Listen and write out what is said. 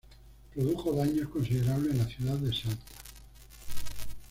Produjo daños considerables en la ciudad de Salta.